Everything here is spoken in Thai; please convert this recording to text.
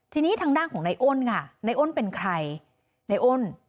ทีนี้ทางด้านของนายอ้นค่ะในอ้นเป็นใครในอ้น